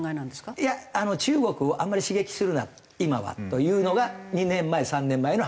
いや中国をあんまり刺激するな今はというのが２年前３年前の話。